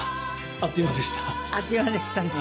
あっという間でしたね。